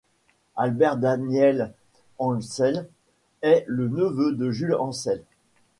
Albert Daniel Ancel est le neveu de Jules Ancel.